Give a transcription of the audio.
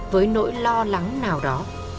với nỗi lo lắng nào đó